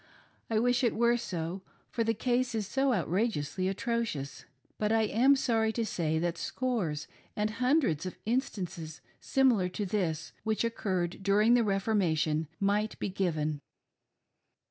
I wish it were so, for the case is so outrageously atrocious ; but I am sorry to say that scores and hundreds of instances similar to this, which occurred during the Reformation, might be given.